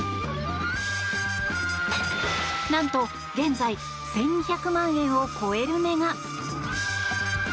何と、現在１２００万円を超える値が。